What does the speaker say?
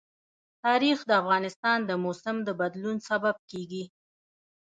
تاریخ د افغانستان د موسم د بدلون سبب کېږي.